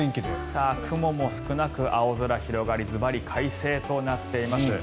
雲も少なく青空広がりずばり快晴となっております。